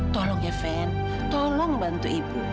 tolong ya ven tolong bantu ibu